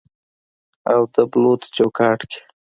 او د بلوط چوکاټ کې